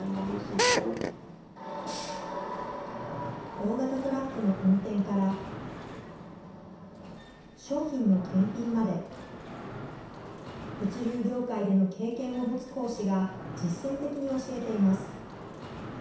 大型トラックの運転から、商品の検品まで、物流業界での経験を持つ講師が、実践的に教えています。